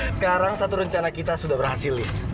sekarang satu rencana kita sudah berhasil list